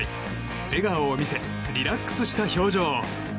笑顔を見せリラックスした表情。